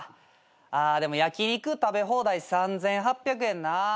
あでも焼き肉食べ放題３，８００円な。